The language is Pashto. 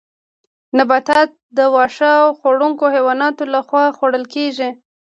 نباتات د واښه خوړونکو حیواناتو لخوا خوړل کیږي